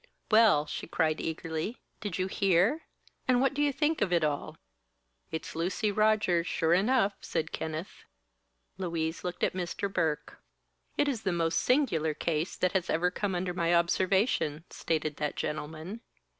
"Well!" she cried, eagerly, "did you hear? And what do you think of it all?" "It's Lucy Rogers, sure enough," said Kenneth. Louise looked at Mr. Burke. "It is the most singular case that has ever come under my observation," stated that gentleman.